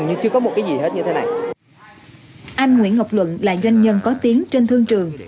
như chưa có một cái gì hết như thế này anh nguyễn học luận là doanh nhân có tiếng trên thương trường